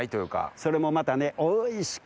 それもまたね。